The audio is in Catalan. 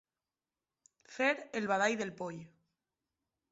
Fer el badall del poll.